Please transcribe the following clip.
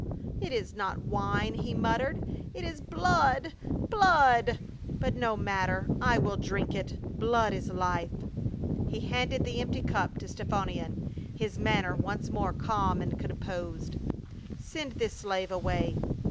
" Pah, it is not wine," he muttered, "it is blood — blood. But no matter, I will drink it — blood is life." He handed the empty cup to Stephanion, his manner once more calm and composed. "Send this slave away.